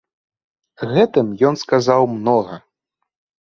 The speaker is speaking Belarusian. Гэтым ён сказаў многа.